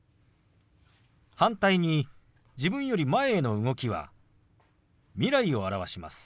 反対に自分より前への動きは未来を表します。